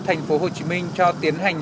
thành phố hồ chí minh cho tiến hành